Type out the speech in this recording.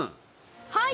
はい！